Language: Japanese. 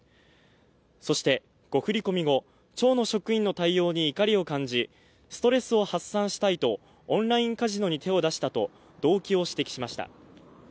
そして、誤振込後町の職員の対応に怒りを感じストレスを発散したいとオンラインカジノに手を出したと動機を指摘しました。